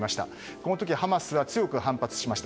この時ハマスは強く反発しました。